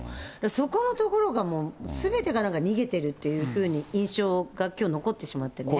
そこのところが、すべてが逃げてるっていうふうに印象がきょう残ってしまってね。